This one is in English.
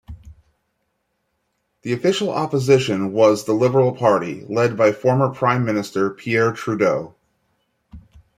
The Official Opposition was the Liberal Party, led by former prime minister Pierre Trudeau.